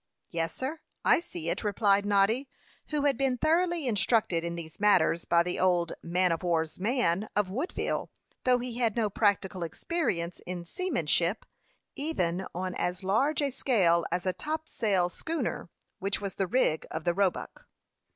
"Yes, sir, I see it," replied Noddy, who had been thoroughly instructed in these matters by the old man of war's man of Woodville, though he had no practical experience in seamanship, even on as large a scale as a topsail schooner, which was the rig of the Roebuck.